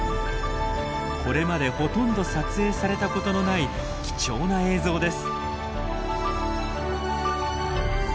これまでほとんど撮影されたことのない貴重な映像です。